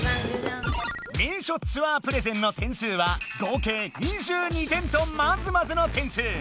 名所ツアープレゼンの点数は合計２２点とまずまずの点数。